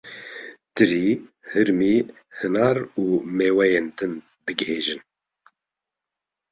Tirî, hirmî, hinar û mêweyên din digihêjin.